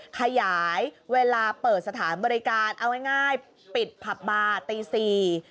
ขยายเวลาเปิดสถานบริการเอาง่ายง่ายปิดผับบาร์ตีสี่